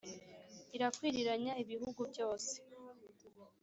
Irakwiriranya ibihugu byose